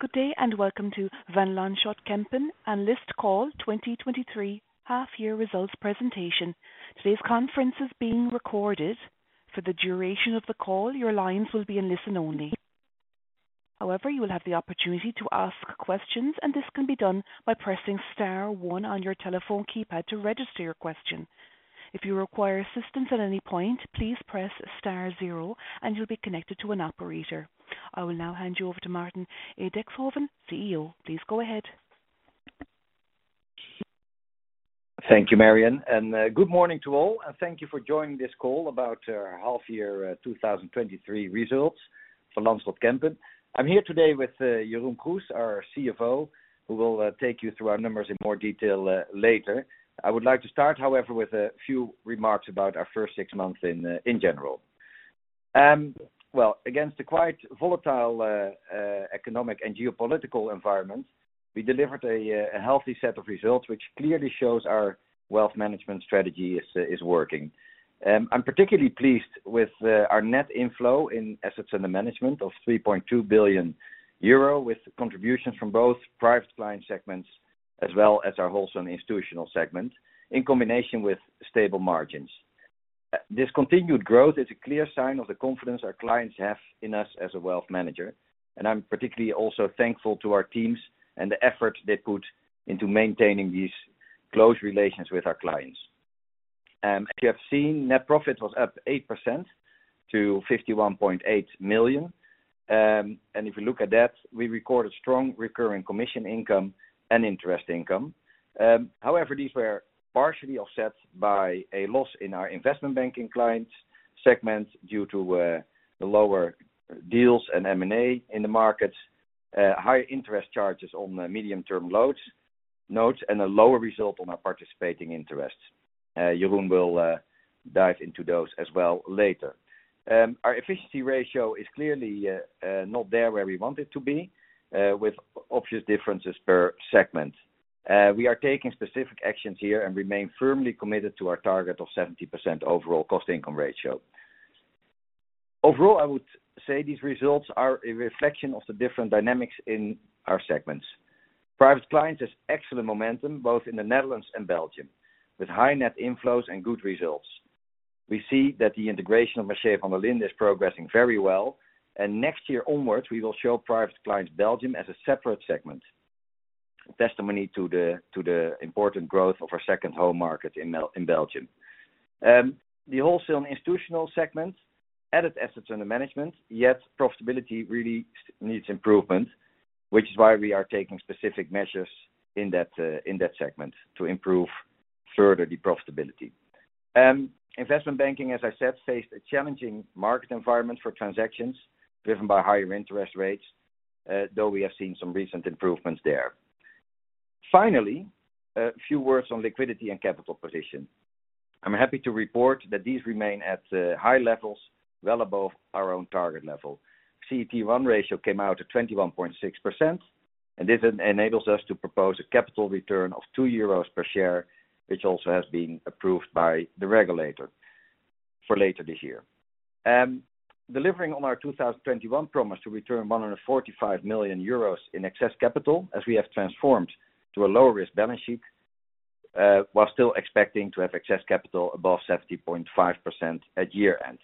Good day, and welcome to Van Lanschot Kempen Analyst Call 2023 Half Year Results presentation. Today's conference is being recorded. For the duration of the call, your lines will be in listen-only. However, you will have the opportunity to ask questions, and this can be done by pressing star one on your telephone keypad to register your question. If you require assistance at any point, please press star zero and you'll be connected to an operator. I will now hand you over to Maarten Edixhoven, CEO. Please go ahead. Thank you, Marian, and good morning to all, and thank you for joining this call about our half year 2023 results for Van Lanschot Kempen. I'm here today with Jeroen Kroes, our CFO, who will take you through our numbers in more detail later. I would like to start, however, with a few remarks about our first six months in general. Well, against the quite volatile economic and geopolitical environment, we delivered a healthy set of results, which clearly shows our wealth management strategy is working. I'm particularly pleased with our net inflow in assets under management of 3.2 billion euro, with contributions from both private client segments, as well as our wholesale and institutional segment, in combination with stable margins. This continued growth is a clear sign of the confidence our clients have in us as a wealth manager, and I'm particularly also thankful to our teams and the effort they put into maintaining these close relations with our clients. As you have seen, net profit was up 8% to 51.8 million. And if you look at that, we recorded strong recurring commission income and interest income. However, these were partially offset by a loss in our investment banking client segments due to the lower deals and M&A in the markets, higher interest charges on the medium-term loans, notes, and a lower result on our participating interests. Jeroen will dive into those as well later. Our efficiency ratio is clearly not there where we want it to be, with obvious differences per segment. We are taking specific actions here and remain firmly committed to our target of 70% overall cost income ratio. Overall, I would say these results are a reflection of the different dynamics in our segments. Private clients has excellent momentum, both in the Netherlands and Belgium, with high net inflows and good results. We see that the integration of Mercier Vanderlinden is progressing very well, and next year onwards, we will show private clients Belgium as a separate segment. Testimony to the important growth of our second home market in Belgium. The wholesale and institutional segments added assets under management, yet profitability really needs improvement, which is why we are taking specific measures in that segment to improve further the profitability. Investment banking, as I said, faced a challenging market environment for transactions, driven by higher interest rates, though we have seen some recent improvements there. Finally, a few words on liquidity and capital position. I'm happy to report that these remain at high levels, well above our own target level. CET1 ratio came out at 21.6%, and this enables us to propose a capital return of 2 euros per share, which also has been approved by the regulator for later this year. Delivering on our 2021 promise to return 145 million euros in excess capital, as we have transformed to a lower risk balance sheet, while still expecting to have excess capital above 70.5% at year-end.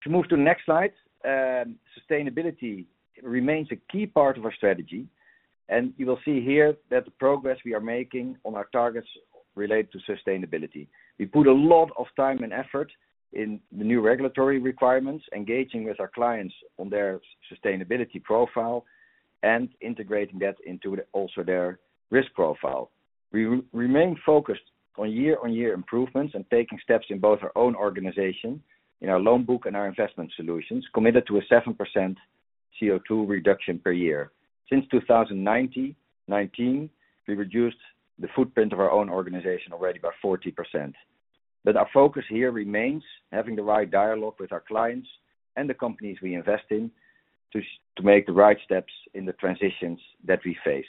If you move to the next slide, sustainability remains a key part of our strategy, and you will see here that the progress we are making on our targets relate to sustainability. We put a lot of time and effort in the new regulatory requirements, engaging with our clients on their sustainability profile, and integrating that into also their risk profile. We remain focused on year-on-year improvements and taking steps in both our own organization, in our loan book and our investment solutions, committed to a 7% CO2 reduction per year. Since 2019, we reduced the footprint of our own organization already by 40%. But our focus here remains having the right dialogue with our clients and the companies we invest in, to make the right steps in the transitions that we face.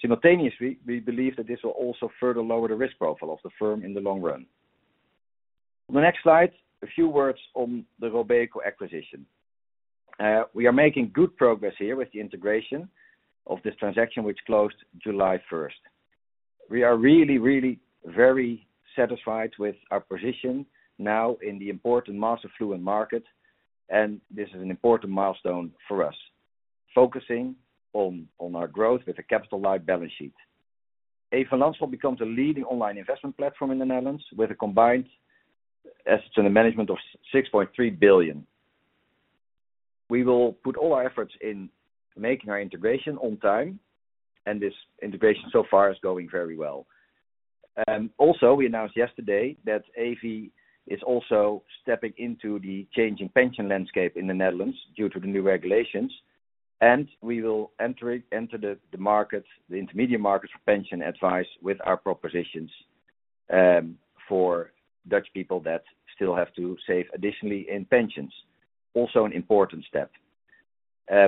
Simultaneously, we believe that this will also further lower the risk profile of the firm in the long run. On the next slide, a few words on the Robeco acquisition. We are making good progress here with the integration of this transaction, which closed July first. We are really, really very satisfied with our position now in the important mass affluent market, and this is an important milestone for us, focusing on our growth with a capital-light balance sheet. As Van Lanschot becomes a leading online investment platform in the Netherlands with a combined assets under management of 6.3 billion. We will put all our efforts in making our integration on time, and this integration so far is going very well. Also, we announced yesterday that Evi is also stepping into the changing pension landscape in the Netherlands due to the new regulations, and we will enter the markets, the intermediate markets for pension advice with our propositions, for Dutch people that still have to save additionally in pensions. Also, an important step.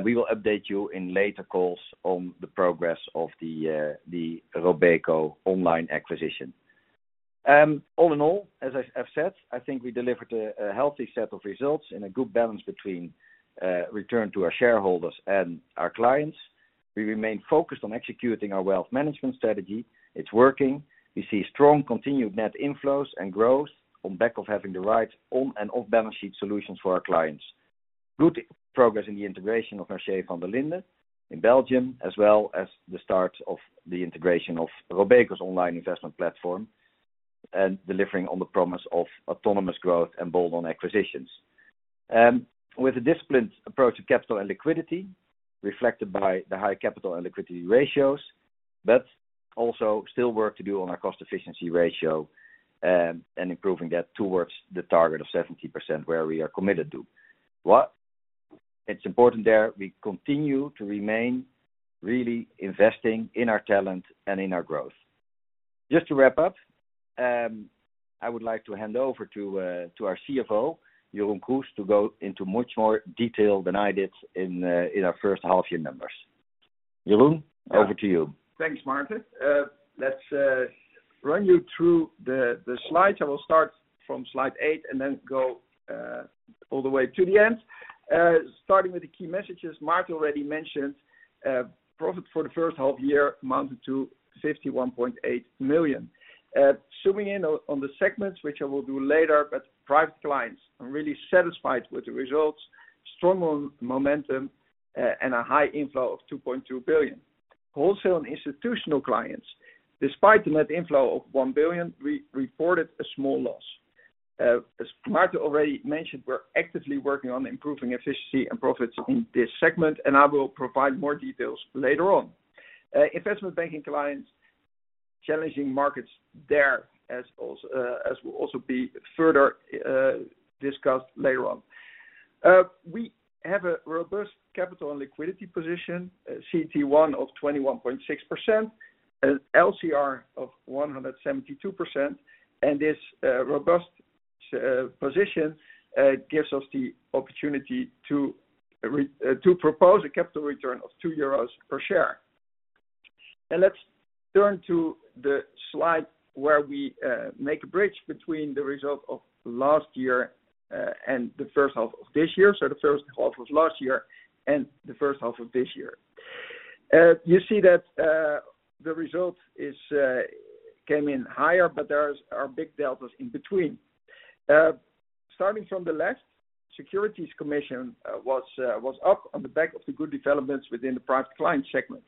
We will update you in later calls on the progress of the Robeco online acquisition. All in all, as I've said, I think we delivered a healthy set of results and a good balance between return to our shareholders and our clients. We remain focused on executing our wealth management strategy. It's working. We see strong continued net inflows and growth on back of having the right on and off-balance sheet solutions for our clients. Good progress in the integration of Mercier Vanderlinden in Belgium, as well as the start of the integration of Robeco's online investment platform, and delivering on the promise of autonomous growth and bolt-on acquisitions. With a disciplined approach to capital and liquidity, reflected by the high capital and liquidity ratios, but also still work to do on our cost efficiency ratio, and improving that towards the target of 70%, where we are committed to. It's important there, we continue to remain really investing in our talent and in our growth. Just to wrap up, I would like to hand over to our CFO, Jeroen Kroes, to go into much more detail than I did in our first half-year numbers. Jeroen, over to you. Thanks, Maarten. Let's run you through the slides. I will start from slide eight and then go all the way to the end. Starting with the key messages, Maarten already mentioned profit for the first half year amounted to 51.8 million. Zooming in on the segments, which I will do later, but private clients, I'm really satisfied with the results, strong momentum, and a high inflow of 2.2 billion. Wholesale and institutional clients, despite the net inflow of 1 billion, we reported a small loss. As Maarten already mentioned, we're actively working on improving efficiency and profits in this segment, and I will provide more details later on. Investment banking clients, challenging markets there as always, as will also be further discussed later on. We have a robust capital and liquidity position, CET1 of 21.6%, LCR of 172%, and this robust position gives us the opportunity to propose a capital return of 2 euros per share. Let's turn to the slide where we make a bridge between the results of last year and the first half of this year, so the first half of last year and the first half of this year. You see that the results is came in higher, but there's are big deltas in between. Starting from the left, securities commission was was up on the back of the good developments within the private client segment.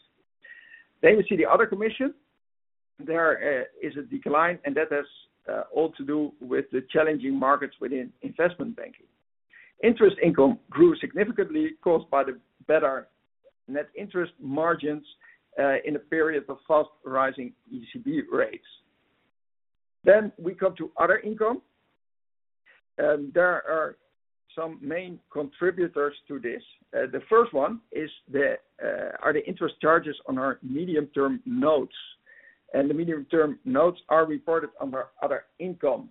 Then you see the other commission, there, is a decline, and that has all to do with the challenging markets within investment banking. Interest income grew significantly, caused by the better net interest margins in a period of fast-rising ECB rates. Then we come to other income, and there are some main contributors to this. The first one is the interest charges on our medium-term notes, and the medium-term notes are reported under other income.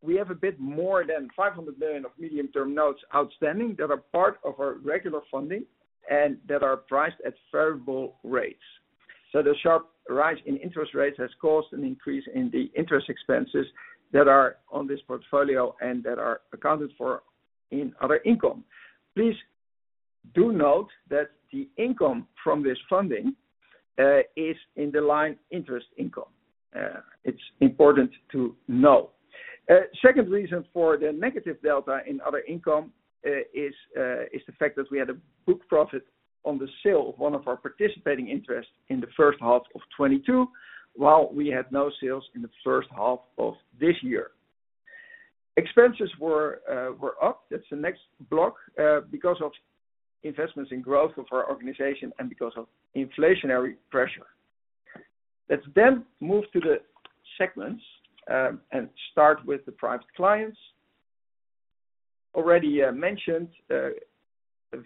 We have a bit more than 500 million of medium-term notes outstanding that are part of our regular funding and that are priced at variable rates. So the sharp rise in interest rates has caused an increase in the interest expenses that are on this portfolio and that are accounted for in other income. Please do note that the income from this funding is in the line interest income. It's important to know. Second reason for the negative delta in other income is the fact that we had a book profit on the sale of one of our participating interests in the first half of 2022, while we had no sales in the first half of this year. Expenses were up, that's the next block, because of investments in growth of our organization and because of inflationary pressure. Let's then move to the segments and start with the private clients. Already mentioned a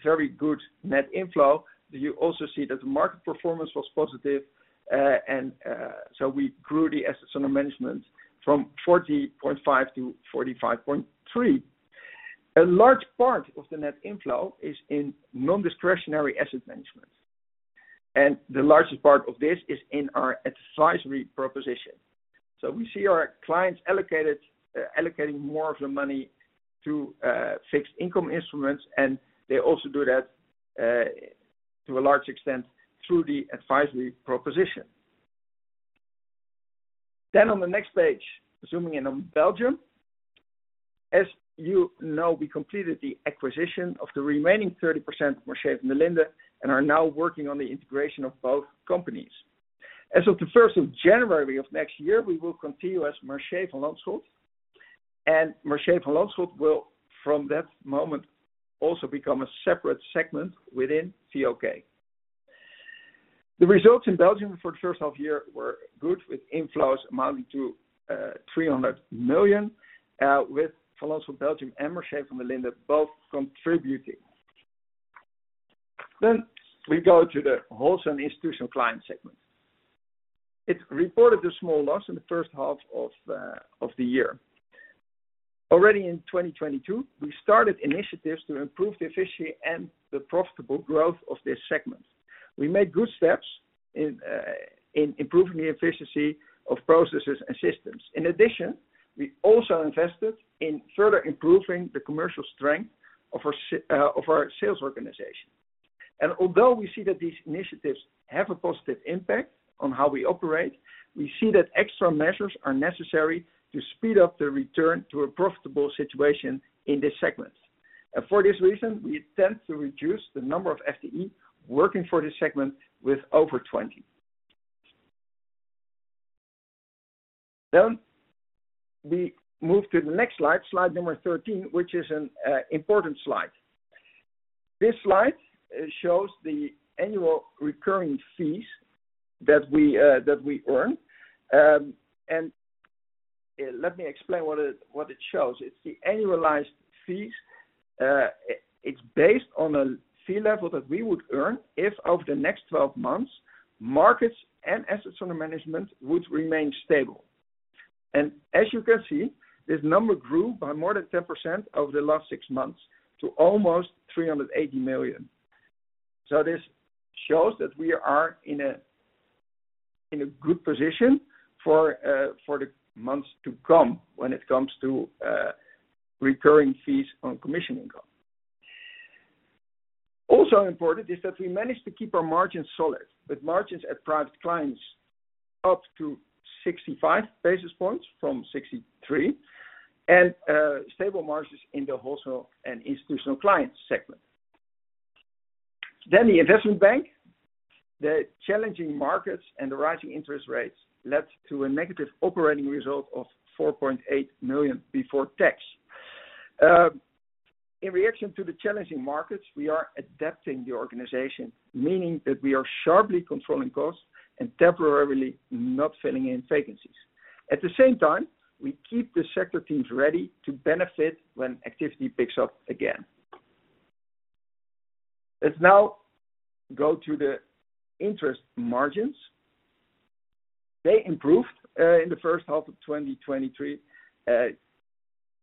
very good net inflow. You also see that the market performance was positive and so we grew the assets under management from 40.5-45.3. A large part of the net inflow is in non-discretionary asset management, and the largest part of this is in our advisory proposition. So we see our clients allocated, allocating more of their money to, fixed income instruments, and they also do that, to a large extent, through the advisory proposition. Then on the next page, zooming in on Belgium. As you know, we completed the acquisition of the remaining 30%, Mercier Vanderlinden, and are now working on the integration of both companies. As of the first of January of next year, we will continue as Mercier Van Lanschot, and Mercier Van Lanschot will, from that moment, also become a separate segment within VLK. The results in Belgium for the first half year were good, with inflows amounting to 300 million, with Van Lanschot Belgium and Mercier Vanderlinden both contributing. Then we go to the wholesale institutional client segment. It reported a small loss in the first half of the year. Already in 2022, we started initiatives to improve the efficiency and the profitable growth of this segment. We made good steps in improving the efficiency of processes and systems. In addition, we also invested in further improving the commercial strength of our sales organization. And although we see that these initiatives have a positive impact on how we operate, we see that extra measures are necessary to speed up the return to a profitable situation in this segment. For this reason, we intend to reduce the number of FTE working for this segment with over 20. We move to the next slide, slide number 13, which is an important slide. This slide shows the annual recurring fees that we earn. Let me explain what it shows. It's the annualized fees. It's based on a fee level that we would earn if over the next 12 months, markets and assets under management would remain stable. And as you can see, this number grew by more than 10% over the last 6 months to almost 380 million. So this shows that we are in a good position for the months to come when it comes to recurring fees on commission income. Also important is that we managed to keep our margins solid, with margins at private clients up to 65 basis points from 63, and stable margins in the wholesale and institutional clients segment. Then the investment bank, the challenging markets and the rising interest rates led to a negative operating result of 4.8 million before tax. In reaction to the challenging markets, we are adapting the organization, meaning that we are sharply controlling costs and temporarily not filling in vacancies. At the same time, we keep the sector teams ready to benefit when activity picks up again. Let's now go to the interest margins. They improved in the first half of 2023.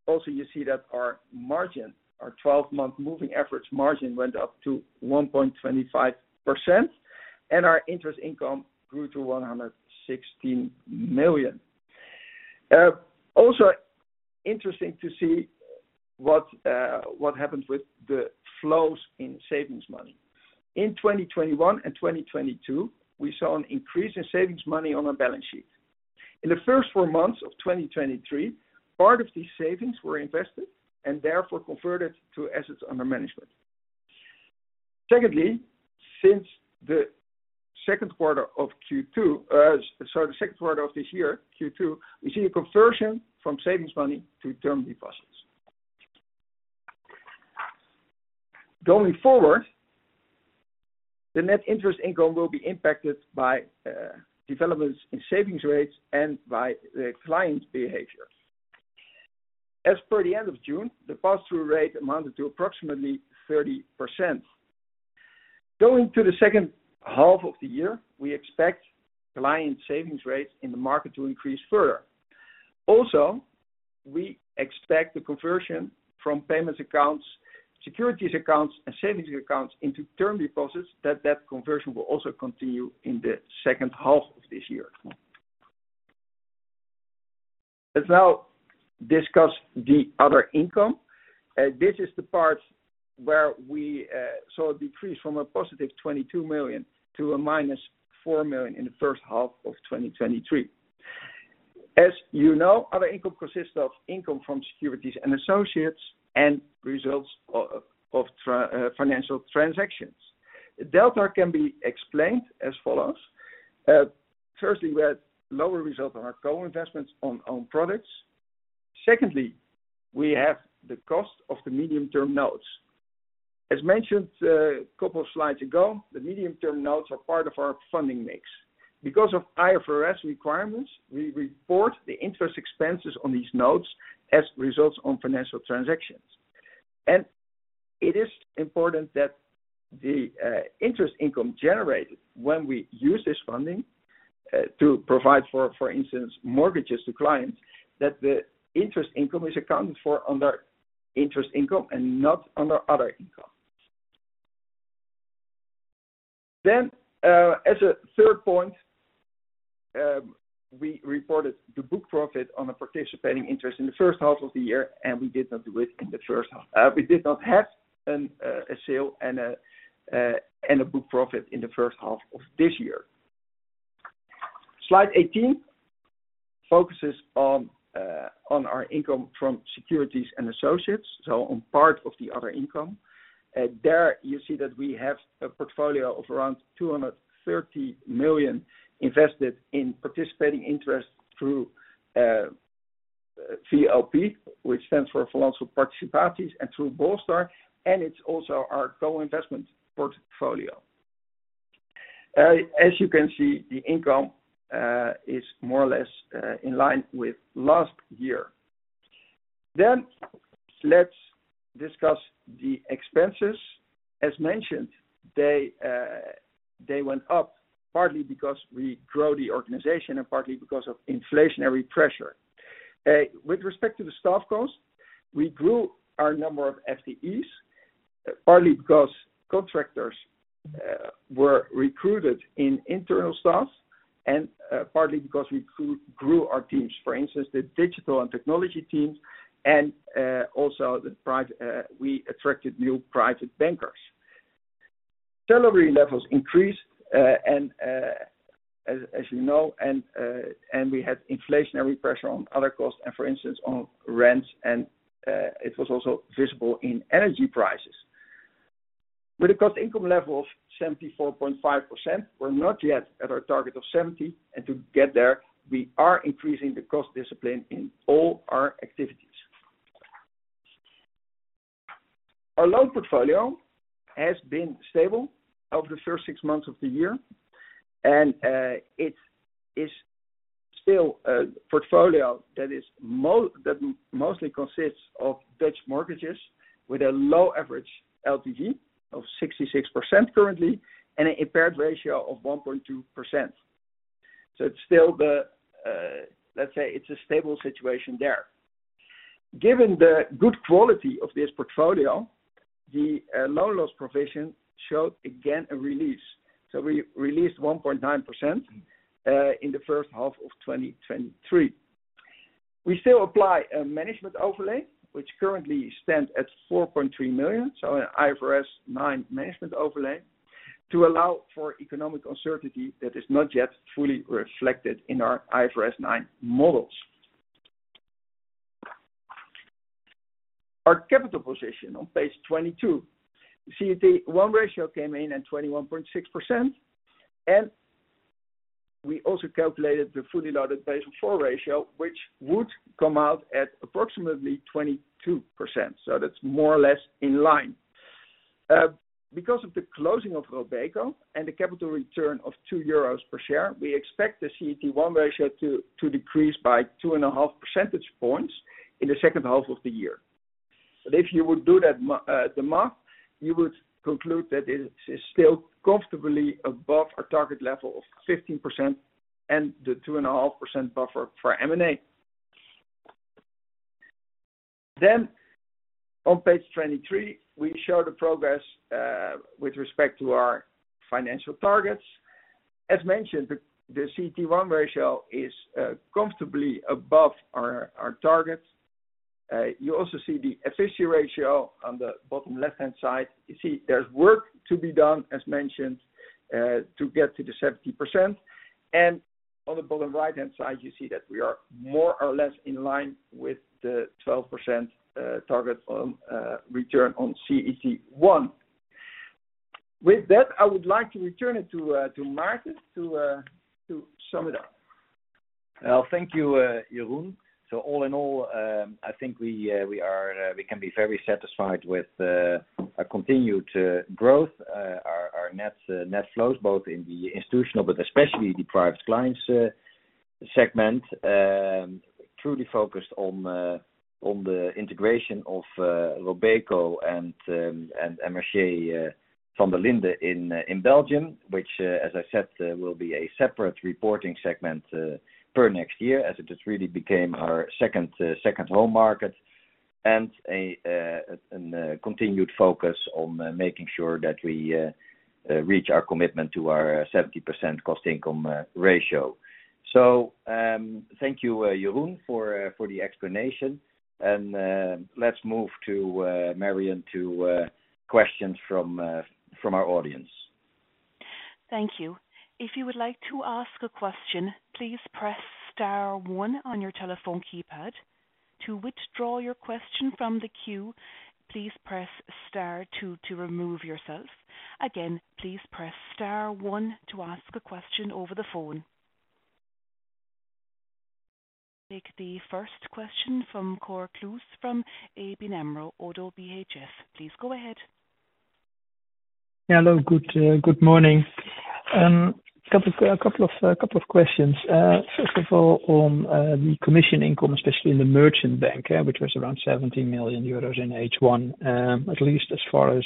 Also, you see that our margin, our 12-month moving average margin went up to 1.25%, and our interest income grew to 116 million Also interesting to see what happens with the flows in savings money. In 2021 and 2022, we saw an increase in savings money on our balance sheet. In the first four months of 2023, part of these savings were invested and therefore converted to assets under management. Secondly, since the second quarter of Q2, the second quarter of this year, Q2, we see a conversion from savings money to term deposits. Going forward, the net interest income will be impacted by developments in savings rates and by the client behavior. As per the end of June, the pass-through rate amounted to approximately 30%. Going to the second half of the year, we expect client savings rates in the market to increase further. Also, we expect the conversion from payments accounts, securities accounts, and savings accounts into term deposits, that that conversion will also continue in the second half of this year. Let's now discuss the other income. This is the part where we saw a decrease from a +22 million to -4 million in the first half of 2023. As you know, other income consists of income from securities and associates and results of financial transactions. Delta can be explained as follows. Firstly, we had lower results on our co-investments on products. Secondly, we have the cost of the medium-term notes. As mentioned, a couple of slides ago, the medium-term notes are part of our funding mix. Because of IFRS requirements, we report the interest expenses on these notes as results on financial transactions. It is important that the interest income generated when we use this funding to provide, for instance, mortgages to clients, that the interest income is accounted for under interest income and not under other income. Then, as a third point, we reported the book profit on a participating interest in the first half of the year, and we did not do it in the first half. We did not have a sale and a book profit in the first half of this year. Slide 18 focuses on our income from securities and associates, so on part of the other income. There you see that we have a portfolio of around 230 million invested in participating interests through VLP, which stands for Van Lanschot Participaties, and through Bolster, and it's also our co-investment portfolio. As you can see, the income is more or less in line with last year. Then let's discuss the expenses. As mentioned, they went up partly because we grow the organization and partly because of inflationary pressure. With respect to the staff costs, we grew our number of FTEs, partly because contractors were recruited in internal staffs and partly because we grew our teams. For instance, the digital and technology teams and also the private, we attracted new private bankers. Salary levels increased, and, as you know, and we had inflationary pressure on other costs and for instance, on rents and, it was also visible in energy prices. With a cost income level of 74.5%, we're not yet at our target of 70%, and to get there, we are increasing the cost discipline in all our activities. Our loan portfolio has been stable over the first six months of the year, and, it is still a portfolio that is that mostly consists of Dutch mortgages with a low average LTV of 66% currently, and an impaired ratio of 1.2%. So it's still the, let's say, it's a stable situation there. Given the good quality of this portfolio, the loan loss provision showed, again, a release so we released 1.9%, in the first half of 2023. We still apply a management overlay, which currently stands at 4.3 million, so an IFRS 9 management overlay, to allow for economic uncertainty that is not yet fully reflected in our IFRS 9 models. Our capital position on page 22. CET1 ratio came in at 21.6%, and we also calculated the fully loaded Basel IV ratio, which would come out at approximately 22%, so that's more or less in line. Because of the closing of Robeco and the capital return of 2 euros per share, we expect the CET1 ratio to decrease by 2.5 percentage points in the second half of the year. But if you would do that, the math, you would conclude that it is still comfortably above our target level of 15% and the 2.5% buffer for M&A. Then on page 23, we show the progress with respect to our financial targets. As mentioned, the CET1 ratio is comfortably above our target. You also see the efficiency ratio on the bottom left-hand side. You see there's work to be done, as mentioned, to get to the 70% and on the bottom right-hand side, you see that we are more or less in line with the 12% target on return on CET1. With that, I would like to return it to Maarten, to sum it up. Well, thank you, Jeroen. So all in all, I think we can be very satisfied with a continued growth. Our net flows, both in the institutional, but especially the private clients, segment. Truly focused on the integration of Robeco and Mercier Vanderlinden in Belgium, which, as I said, will be a separate reporting segment per next year, as it has really became our second home market, and a continued focus on making sure that we reach our commitment to our 70% cost income ratio. So, thank you, Jeroen, for the explanation. And let's move to Marian, to questions from our audience. Thank you. If you would like to ask a question, please press star one on your telephone keypad. To withdraw your question from the queue, please press star two to remove yourself. Again, please press star one to ask a question over the phone. Take the first question from Cor Kluis, from ABN AMRO - ODDO BHF. Please go ahead. Yeah, hello, good morning. A couple of questions. First of all, on the commission income, especially in the merchant bank, which was around 70 million euros in H1. At least as far as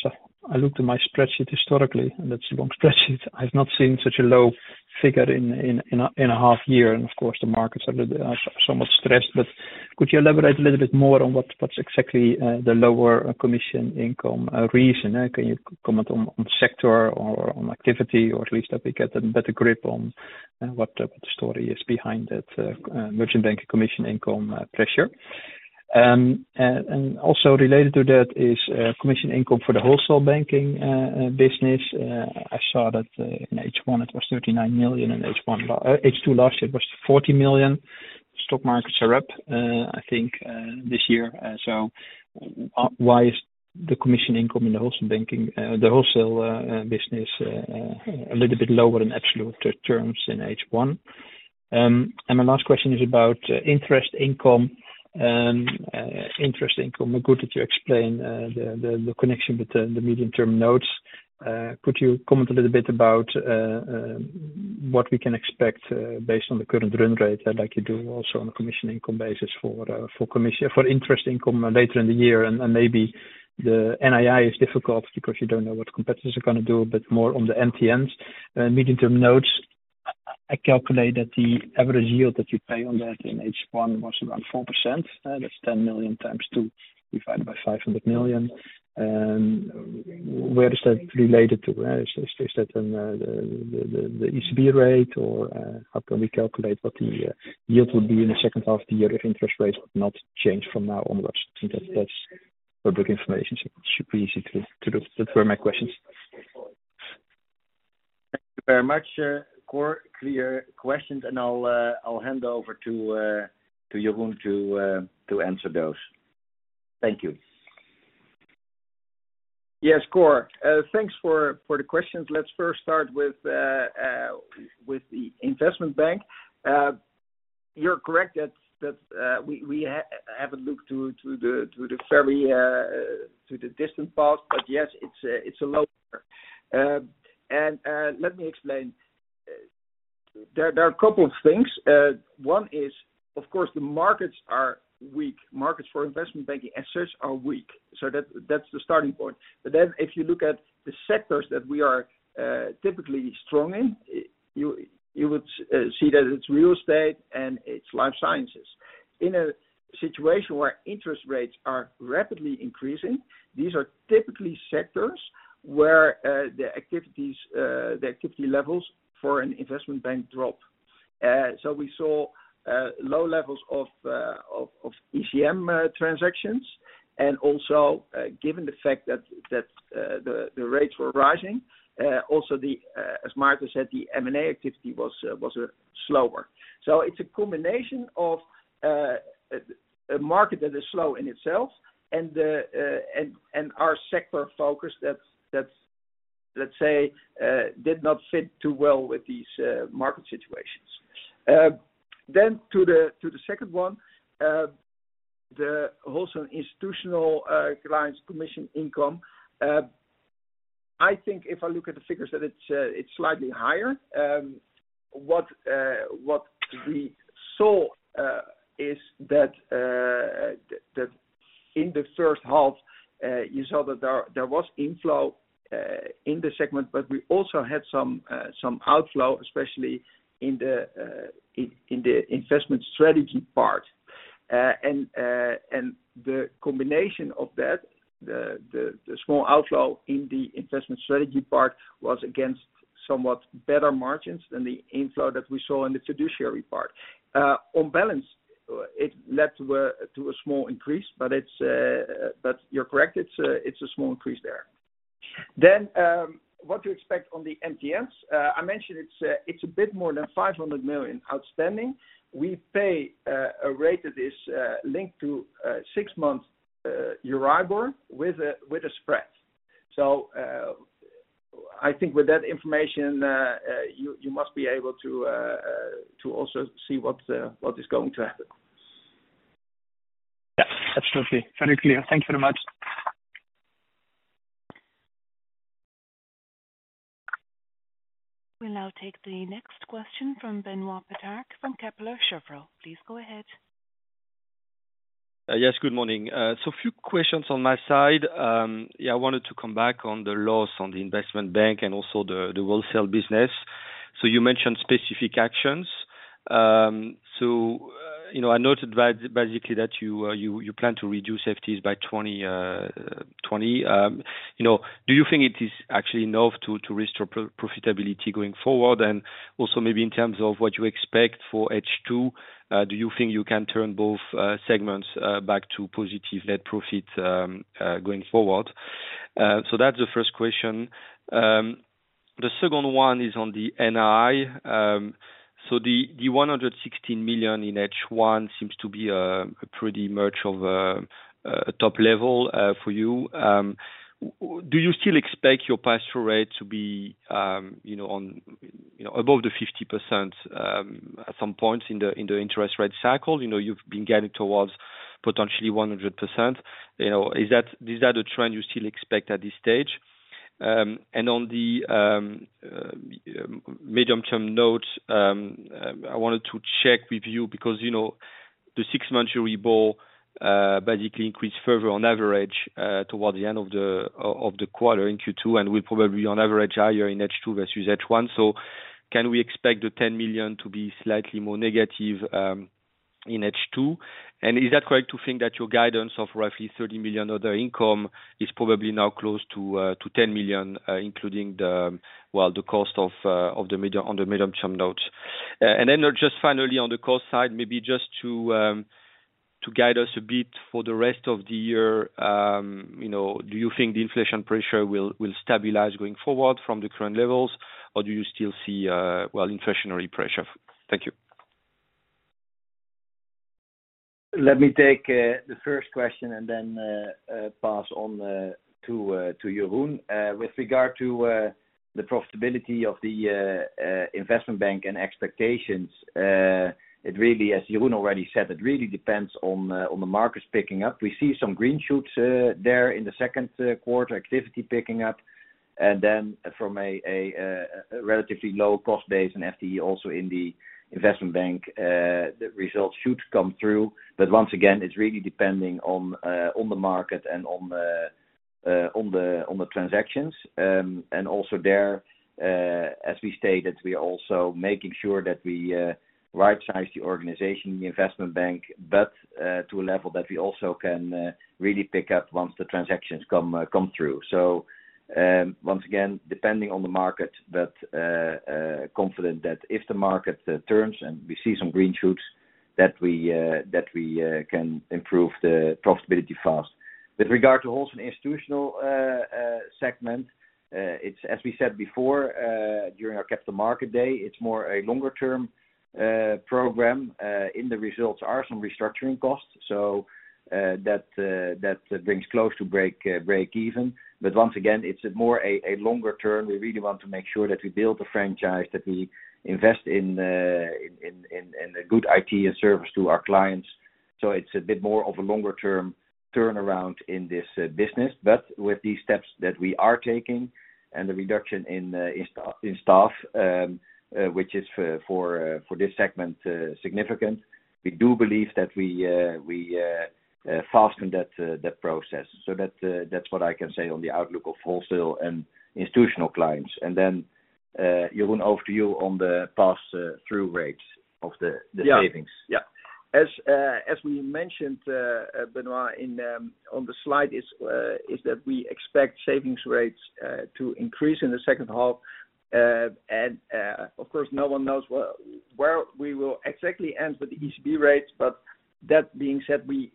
I looked at my spreadsheet historically, and that's a long spreadsheet. I've not seen such a low figure in a half year and of course, the markets are so much stressed. But could you elaborate a little bit more on what's exactly the lower commission income reason? Can you comment on sector or on activity, or at least that we get a better grip on what the story is behind that merchant bank commission income pressure? And also related to that is commission income for the wholesale banking business. I saw that in H1, it was 39 million, in H1. H2 last year, it was 40 million. Stock markets are up, I think, this year, so why is the commission income in the wholesale banking, the wholesale business, a little bit lower in absolute terms in H1? And my last question is about interest income. Interest income, good that you explain the connection with the medium term notes. Could you comment a little bit about what we can expect based on the current run rate, like you do also on a commission income basis for commission—for interest income later in the year? Maybe the NII is difficult because you don't know what competitors are gonna do, but more on the MTNs, medium-term notes. I calculate that the average yield that you pay on that in H1 was around 4%, that's 10 million times two, divided by 500 million. Where is that related to? Is that the ECB rate, or how can we calculate what the yield would be in the second half of the year if interest rates not change from now onwards? That's public information. So it should be easy to do. Those were my questions. Thank you very much, Cor, clear questions, and I'll hand over to Jeroen to answer those. Thank you. Yes, Cor, thanks for the questions. Let's first start with the investment bank. You're correct that we haven't looked to the very distant past, but yes, it's a low. And let me explain. There are a couple of things. One is, of course, the markets are weak. Markets for investment banking assets are weak, so that's the starting point. But then if you look at the sectors that we are typically strong in, you would see that it's real estate and it's life sciences. In a situation where interest rates are rapidly increasing, these are typically sectors where the activity levels for an investment bank drop. So we saw low levels of ECM transactions, and also given the fact that the rates were rising, also as Maarten said, the M&A activity was slower. So it's a combination of a market that is slow in itself and our sector focus that's, let's say, did not fit too well with these market situations. Then, to the second one, the wholesale institutional clients' commission income. I think if I look at the figures that it's slightly higher. What we saw is that in the first half, you saw that there was inflow in the segment, but we also had some outflow, especially in the investment strategy part. And the combination of that, the small outflow in the investment strategy part, was against somewhat better margins than the inflow that we saw in the fiduciary part. On balance, it led to a small increase, but it's... But you're correct, it's a small increase there. Then, what to expect on the MTNs? I mentioned it's a bit more than 500 million outstanding. We pay a rate that is linked to six months Euribor with a spread. So, I think with that information, you must be able to also see what is going to happen. Yes, absolutely. Very clear. Thank you very much. We'll now take the next question from Benoît Pétrarque, from Kepler Cheuvreux. Please go ahead. Yes, good morning. So a few questions on my side. Yeah, I wanted to come back on the loss on the investment bank and also the wholesale business. So you mentioned specific actions. So, you know, I noted basically that you plan to reduce FTEs by 20, 20. You know, do you think it is actually enough to restore profitability going forward? And also maybe in terms of what you expect for H2, do you think you can turn both segments back to positive net profits going forward? So that's the first question. The second one is on the NII. So the 116 million in H1 seems to be pretty much of a top level for you. Do you still expect your pass-through rate to be, you know, above the 50%, at some point in the interest rate cycle? You know, you've been getting towards potentially 100%. You know, is that a trend you still expect at this stage? And on the medium-term notes, I wanted to check with you because, you know, the six-month Euribor basically increased further on average toward the end of the quarter in Q2 and will probably be on average higher in H2 versus H1. So can we expect the 10 million to be slightly more negative in H2? And is that correct to think that your guidance of roughly 30 million other income is probably now close to, to 10 million, including the, well, the cost of, of the medium, on the medium-term notes? And then just finally on the cost side, maybe just to, to guide us a bit for the rest of the year, you know, do you think the inflation pressure will, will stabilize going forward from the current levels, or do you still see, well, inflationary pressure? Thank you. Let me take the first question and then pass on to Jeroen. With regard to the profitability of the investment bank and expectations, it really, as Jeroen already said, it really depends on the markets picking up. We see some green shoots there in the second quarter, activity picking up, and then from a relatively low cost base and FTE also in the investment bank, the results should come through. But once again, it's really depending on the market and on the transactions. And also there, as we stated, we are also making sure that we right-size the organization, the investment bank, but to a level that we also can really pick up once the transactions come through. So, once again, depending on the market, but confident that if the market turns and we see some green shoots, that we can improve the profitability fast. With regard to wholesale institutional segment, it's as we said before, during our capital market day, it's more a longer-term program. In the results are some restructuring costs, so that brings close to break-even. But once again, it's more a longer-term. We really want to make sure that we build a franchise, that we invest in a good IT and service to our clients. So it's a bit more of a longer-term turnaround in this business. But with these steps that we are taking and the reduction in staff, which is for this segment, significant, we do believe that we fasten that process. So that's what I can say on the outlook of wholesale and institutional clients. And then, Jeroen, over to you on the pass-through rates of the savings. Yeah. Yeah. As, as we mentioned, Benoît, in, on the slide, is, is that we expect savings rates to increase in the second half. And, of course, no one knows where, where we will exactly end with the ECB rates, but that being said, we,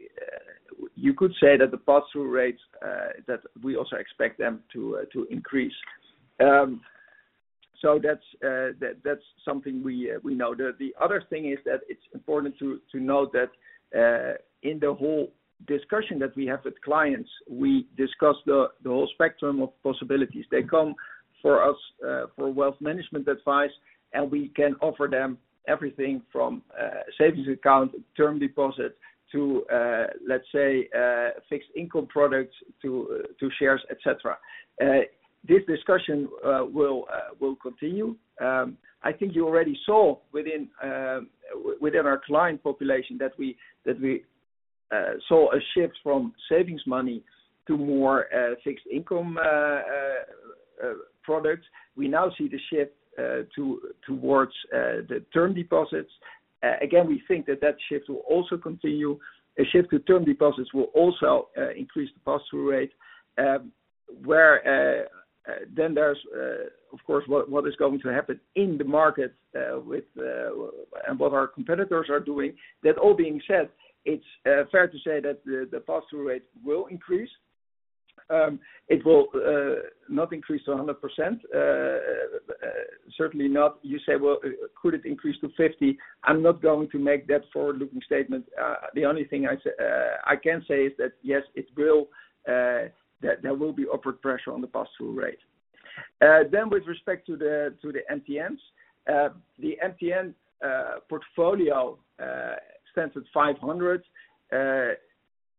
you could say that the pass-through rates, that we also expect them to, to increase. So that's, that, that's something we, we know. The, the other thing is that it's important to, to note that, in the whole discussion that we have with clients, we discuss the, the whole spectrum of possibilities. They come for us, for wealth management advice, and we can offer them everything from, savings account, term deposits to, let's say, fixed income products to, to shares, etc. This discussion will continue. I think you already saw within our client population that we saw a shift from savings money to more fixed income products. We now see the shift towards the term deposits. Again, we think that that shift will also continue. A shift to term deposits will also increase the pass-through rate. Where then there's of course what is going to happen in the market with and what our competitors are doing. That all being said, it's fair to say that the pass-through rate will increase. It will not increase to 100%, certainly not. You say, "Well, could it increase to 50%?" I'm not going to make that forward-looking statement. The only thing I can say is that, yes, it will, that there will be upward pressure on the pass-through rate. Then with respect to the MTNs, the MTN portfolio stands at 500.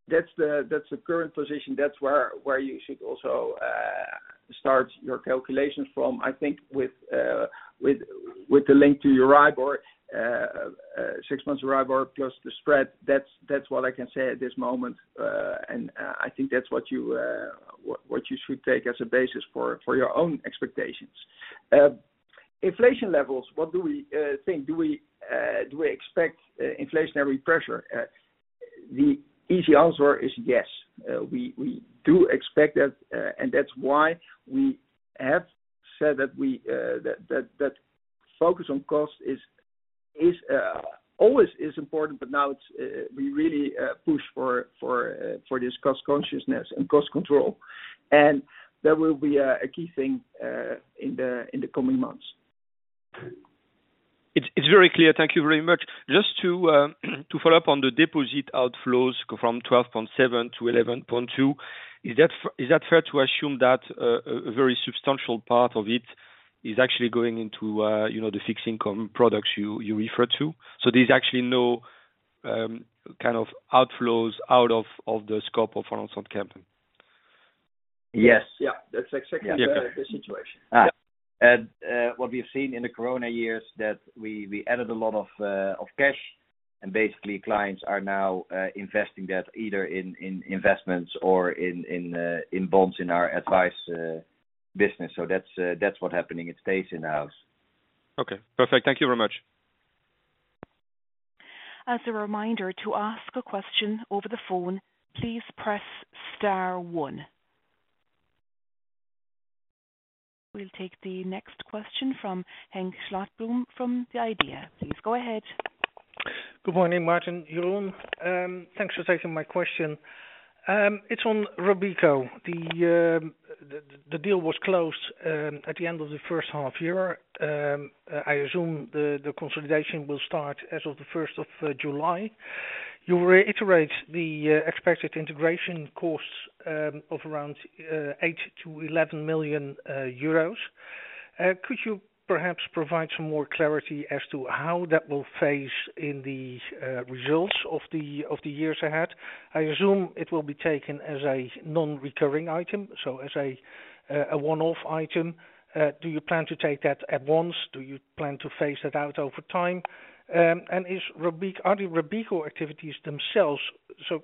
That's the current position. That's where you should also start your calculations from. I think with the link to Euribor, six months Euribor plus the spread, that's what I can say at this moment. And I think that's what you should take as a basis for your own expectations. Inflation levels, what do we think? Do we expect inflationary pressure? The easy answer is yes. We do expect that, and that's why we have said that focus on cost is always important, but now it's we really push for this cost consciousness and cost control, and that will be a key thing in the coming months. It's very clear. Thank you very much. Just to follow up on the deposit outflows from 12.7 to 11.2, is that fair to assume that a very substantial part of it is actually going into, you know, the fixed income products you referred to? So there's actually no kind of outflows out of the scope of ING Bank. Yes. Yeah, that's exactly the situation. And what we've seen in the corona years, that we added a lot of cash, and basically, clients are now, investing that either in, in investments or in bonds, in our advice, business. So that's, that's what's happening. It stays in the house. Okay, perfect. Thank you very much. As a reminder, to ask a question over the phone, please press star one. We'll take the next question from Henk Slotboom from The IDEA!. Please go ahead. Good morning, Maarten, Jeroen. Thanks for taking my question. It's on Robeco. The deal was closed at the end of the first half year. I assume the consolidation will start as of the first of July. You reiterate the expected integration costs of around 8 million-11 million euros. Could you perhaps provide some more clarity as to how that will phase in the results of the years ahead? I assume it will be taken as a non-recurring item, so as a one-off item. Do you plan to take that at once? Do you plan to phase it out over time? Is Robeco activities themselves, so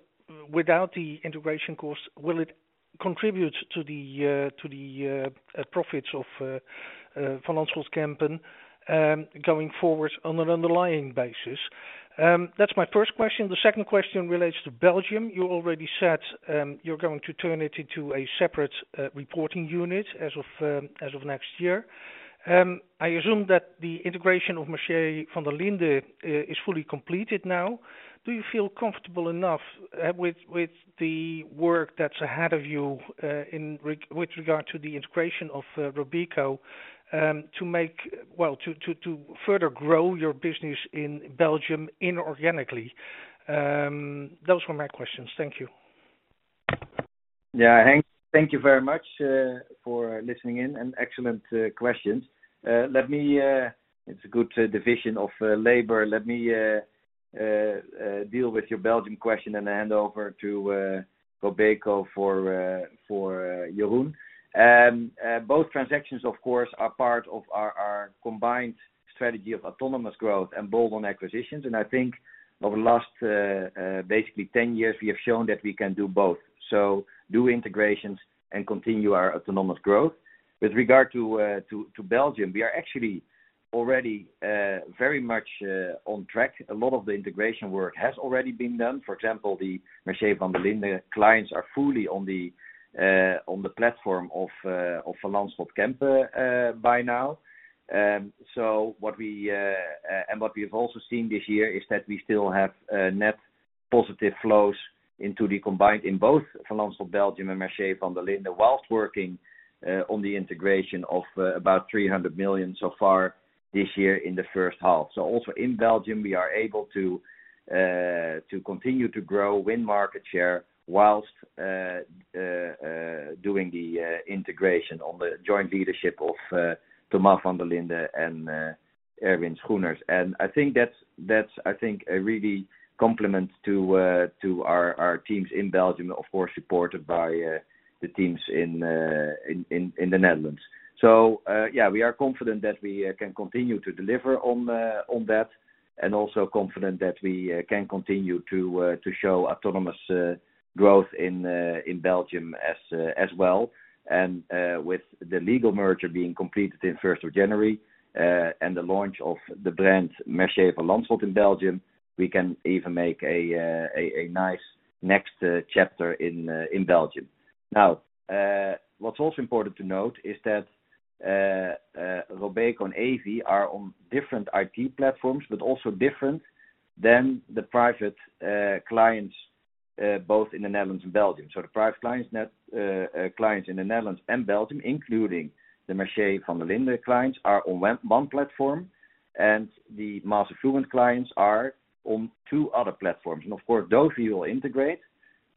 without the integration costs, will it contribute to the profits of Van Lanschot Kempen going forward on an underlying basis? That's my first question. The second question relates to Belgium. You already said, you're going to turn it into a separate reporting unit as of next year. I assume that the integration of Mercier Vanderlinden is fully completed now. Do you feel comfortable enough with the work that's ahead of you with regard to the integration of Robeco to make well, to further grow your business in Belgium inorganically? Those were my questions. Thank you. Yeah, Henk, thank you very much for listening in, and excellent questions. Let me, it's a good division of labor. Let me deal with your Belgium question and hand over to Robeco for Jeroen. Both transactions, of course, are part of our combined strategy of autonomous growth and bold on acquisitions. I think over the last basically 10 years, we have shown that we can do both. Do integrations and continue our autonomous growth. With regard to Belgium, we are actually already very much on track. A lot of the integration work has already been done. For example, the Mercier Vanderlinden clients are fully on the platform of Van Lanschot Kempen by now. What we've also seen this year is that we still have net positive flows into the combined in both Van Lanschot Belgium and Mercier Vanderlinden while working on the integration of about 300 million so far this year in the first half. So also in Belgium, we are able to continue to grow, win market share, while doing the integration on the joint leadership of Thomas Vanderlinden and Erwin Schoeters. And I think that's a real complement to our teams in Belgium, of course, supported by the teams in the Netherlands. So, yeah, we are confident that we can continue to deliver on that, and also confident that we can continue to show autonomous growth in Belgium as well. And, with the legal merger being completed in first of January, and the launch of the brand, Mercier Van Lanschot in Belgium, we can even make a nice next chapter in Belgium. Now, what's also important to note is that Robeco and Evi are on different IT platforms, but also different than the private clients both in the Netherlands and Belgium. So the private clients in the Netherlands and Belgium, including the Mercier Vanderlinden clients, are on one platform, and the mass affluent clients are on two other platforms. And of course, those we will integrate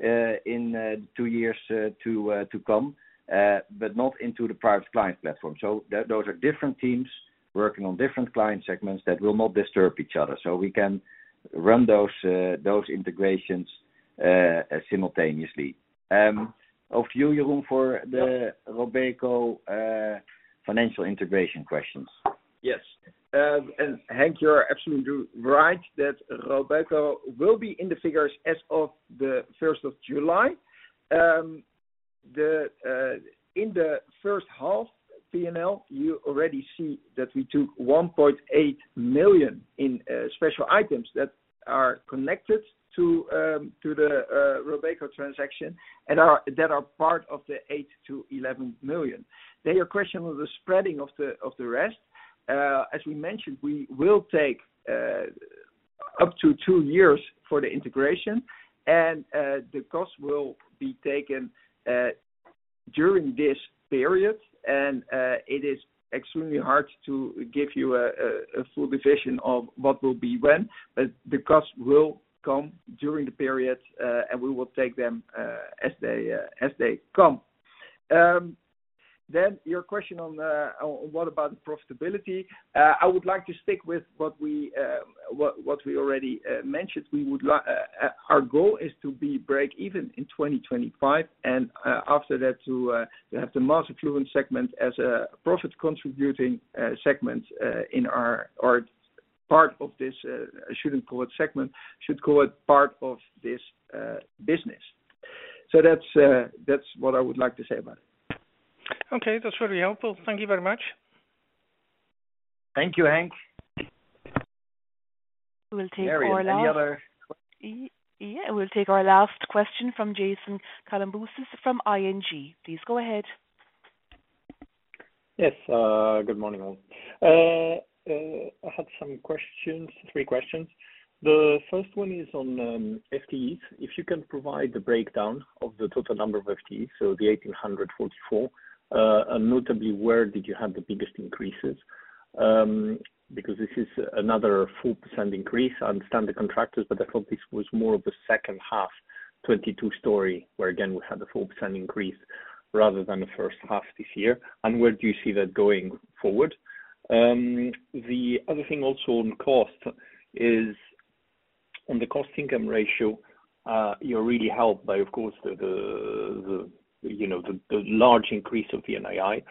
in two years to come, but not into the private client platform. So those are different teams working on different client segments that will not disturb each other. So we can run those integrations simultaneously. Over to you, Jeroen, for the Robeco financial integration questions. Yes. And Henk, you're absolutely right, that Robeco will be in the figures as of the first of July. In the first half P&L, you already see that we took 1.8 million in special items that are connected to the Robeco transaction and that are part of the 8 million-11 million. Then your question was the spreading of the rest. As we mentioned, we will take up to two years for the integration, and the cost will be taken during this period. And it is extremely hard to give you a full division of what will be when, but the cost will come during the period, and we will take them as they come. Then your question on what about the profitability? I would like to stick with what we already mentioned. We would like our goal is to be breakeven in 2025, and after that to have the Mass Affluent segment as a profit-contributing segment in our part of this business. I shouldn't call it segment, should call it part of this business. So that's what I would like to say about it. Okay. That's very helpful. Thank you very much. Thank you, Henk. Yeah, we'll take our last question from Jason Kalamboussis from ING. Please go ahead.... Yes, good morning, all. I have some questions, three questions. The first one is on FTEs. If you can provide the breakdown of the total number of FTEs, so the 1,844, and notably, where did you have the biggest increases? Because this is another 4% increase. I understand the contractors, but I thought this was more of a second half, 2022 story, where again, we had a 4% increase rather than the first half this year. And where do you see that going forward? The other thing also on cost is, on the cost-income ratio, you're really helped by, of course, you know, the large increase of the NII.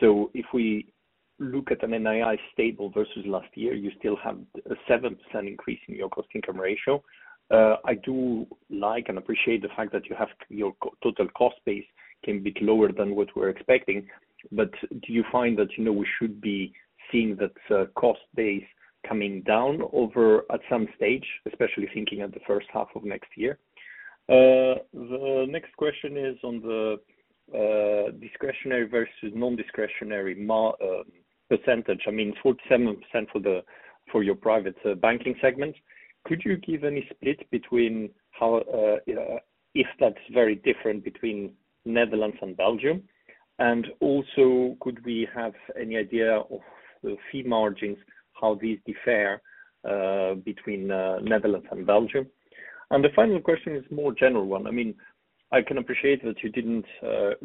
So if we look at an NII stable versus last year, you still have a 7% increase in your cost-income ratio. I do like and appreciate the fact that you have your total cost base can be lower than what we're expecting, but do you find that, you know, we should be seeing that cost base coming down over at some stage, especially thinking at the first half of next year? The next question is on the discretionary versus non-discretionary mandate percentage. I mean, 47% for the for your private banking segment. Could you give any split between how if that's very different between Netherlands and Belgium? And also, could we have any idea of the fee margins, how these differ between Netherlands and Belgium? And the final question is a more general one. I mean, I can appreciate that you didn't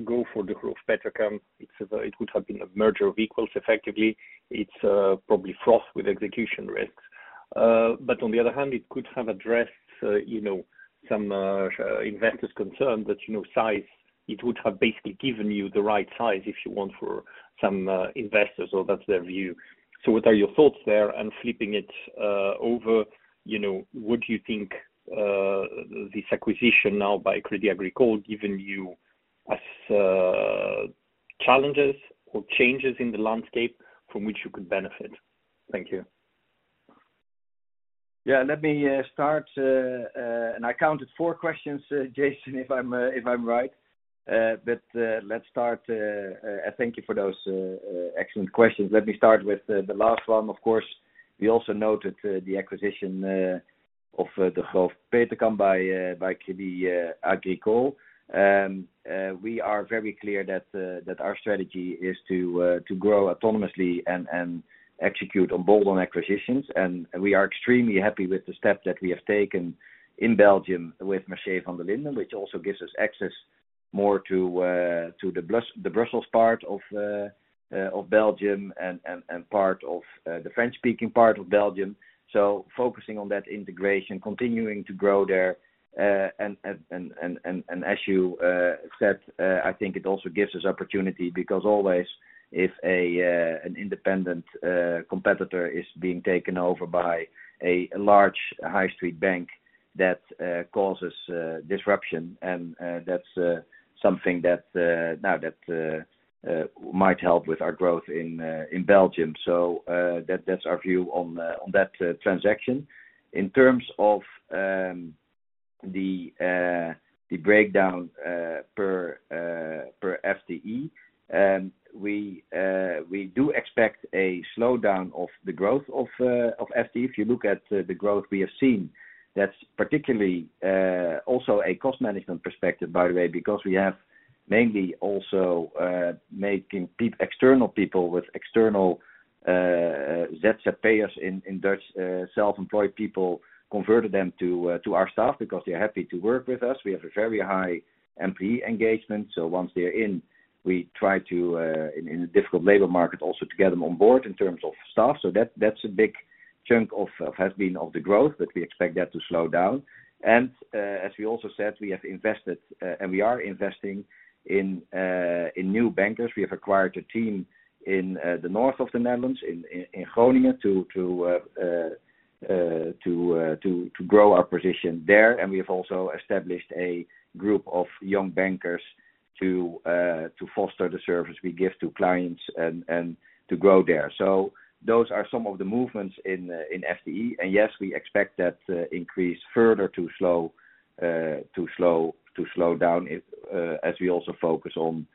go for the Degroof Petercam. It would have been a merger of equals effectively. It's probably fraught with execution risks. But on the other hand, it could have addressed, you know, some investor's concern that, you know, size, it would have basically given you the right size, if you want, for some investors, or that's their view. So what are your thoughts there? And flipping it over, you know, would you think this acquisition now by Crédit Agricole, given you as challenges or changes in the landscape from which you could benefit? Thank you. Yeah, let me start, and I counted four questions, Jason, if I'm right. But let's start, thank you for those excellent questions. Let me start with the last one. Of course, we also noted the acquisition of the Degroof Petercam by Crédit Agricole. We are very clear that our strategy is to grow autonomously and execute on bold acquisitions. And we are extremely happy with the steps that we have taken in Belgium with Mercier Vanderlinden, which also gives us access more to the Brussels part of Belgium and part of the French-speaking part of Belgium. So focusing on that integration, continuing to grow there, and as you said, I think it also gives us opportunity, because always, if an independent competitor is being taken over by a large high street bank, that causes disruption, and that's something that now that might help with our growth in Belgium. So, that's our view on that transaction. In terms of the breakdown per FTE, we do expect a slowdown of the growth of FTE. If you look at the growth we have seen, that's particularly also a cost management perspective, by the way, because we have mainly also making external people with external payers in Dutch self-employed people converted them to our staff because they're happy to work with us. We have a very high MP engagement, so once they're in, we try to in a difficult labor market also to get them on board in terms of staff. So that's a big chunk of has been of the growth, but we expect that to slow down. And as we also said, we have invested and we are investing in new bankers. We have acquired a team in the north of the Netherlands, in Groningen, to grow our position there. And we have also established a group of young bankers to foster the service we give to clients and to grow there. So those are some of the movements in FTE. And yes, we expect that increase further to slow down as we also focus on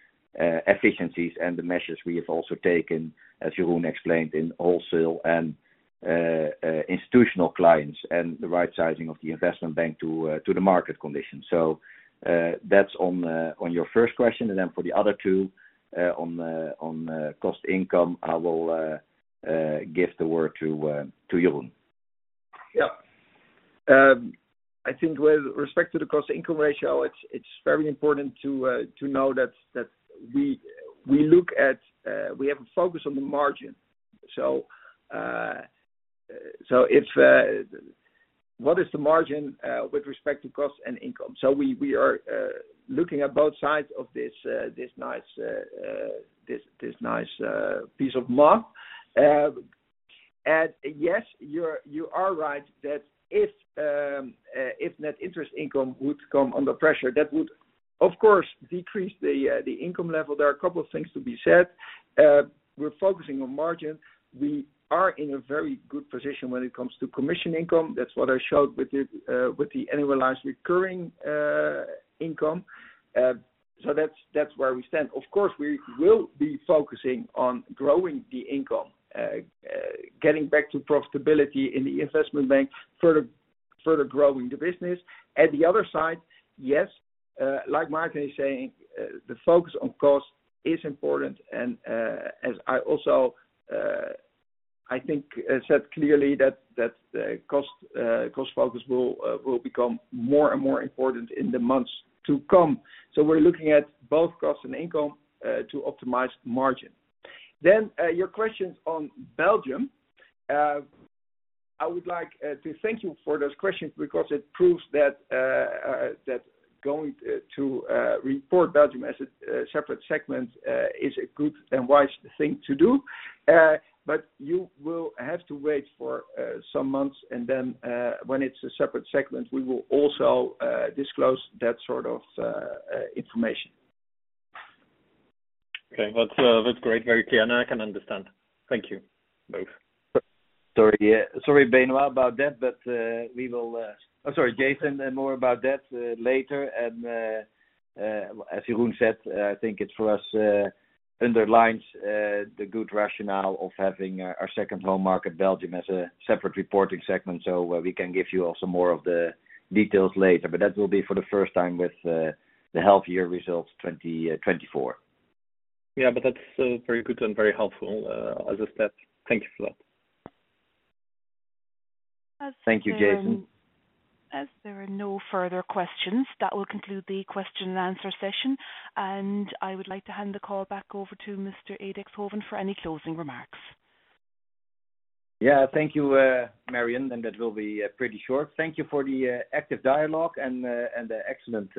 efficiencies and the measures we have also taken, as Jeroen explained, in wholesale and institutional clients, and the right sizing of the investment bank to the market conditions. So, that's on your first question. And then for the other two, on cost income, I will give the word to Jeroen. Yeah. I think with respect to the cost-income ratio, it's very important to know that we look at, we have a focus on the margin. So, so if what is the margin with respect to cost and income? So we are looking at both sides of this nice piece. And yes, you are right that if net interest income would come under pressure, that would, of course, decrease the income level. There are a couple of things to be said. We're focusing on margin. We are in a very good position when it comes to commission income. That's what I showed with the annualized recurring income.... So that's, that's where we stand. Of course, we will be focusing on growing the income, getting back to profitability in the investment bank, further growing the business. At the other side, yes, like Maarten is saying, the focus on cost is important, and, as I also, I think said clearly that, cost focus will become more and more important in the months to come. So we're looking at both cost and income to optimize margin. Then, your questions on Belgium. I would like to thank you for those questions because it proves that going to report Belgium as a separate segment is a good and wise thing to do. But you will have to wait for some months, and then, when it's a separate segment, we will also disclose that sort of information. Okay. That's great, very clear, and I can understand. Thank you both. Sorry, about that, but we will... I'm sorry, Jason, and more about that later. As Jeroen said, I think it's for us underlines the good rationale of having our second home market, Belgium, as a separate reporting segment. So we can give you also more of the details later, but that will be for the first time with the half-year results, 2024. Yeah, but that's very good and very helpful as a step. Thank you for that. Thank you, Jason. As there are no further questions, that will conclude the question and answer session, and I would like to hand the call back over to Mr. Maarten Edixhoven for any closing remarks. Yeah. Thank you, Maarten, and that will be pretty short. Thank you for the active dialogue and the excellent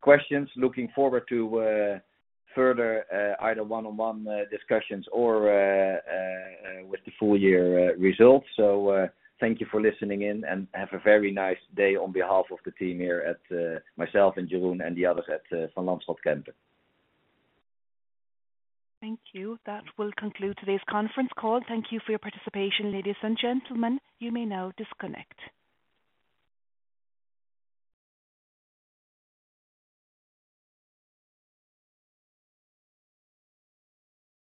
questions. Looking forward to further either one-on-one discussions or with the full year results. So, thank you for listening in, and have a very nice day on behalf of the team here at the—myself and Jeroen and the others at Van Lanschot Kempen. Thank you. That will conclude today's conference call. Thank you for your participation, ladies and gentlemen. You may now disconnect.